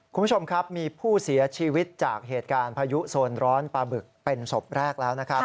คุณผู้ชมครับมีผู้เสียชีวิตจากเหตุการณ์พายุโซนร้อนปลาบึกเป็นศพแรกแล้วนะครับ